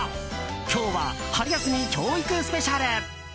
今日は春休み教育スペシャル。